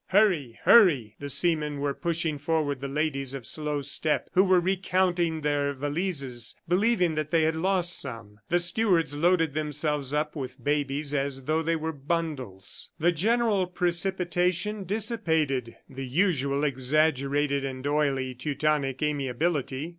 "Hurry! Hurry!" The seamen were pushing forward the ladies of slow step who were recounting their valises, believing that they had lost some. The stewards loaded themselves up with babies as though they were bundles. The general precipitation dissipated the usual exaggerated and oily Teutonic amiability.